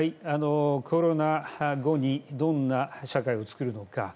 コロナ後にどんな社会を作るのか。